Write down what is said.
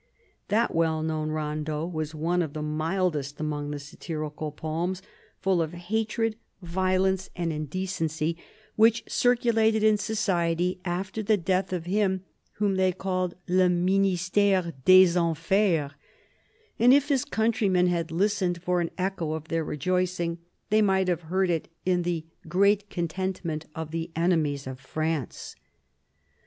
That well known rondeau was one of the mildest among the satirical poems full of hatred, violence, and indecency 298 CARDINAL DE RICHELIEU which circulated in society after the death of him whom they called " le ministre des enfers." And if his country men had listened for an echo of their rejoicing, they might have heard it in the " great contentment " of the enemies of France.